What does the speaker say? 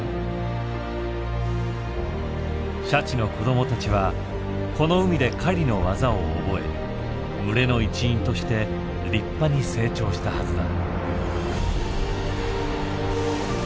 シャチの子供たちはこの海で狩りの技を覚え群れの一員として立派に成長したはずだ。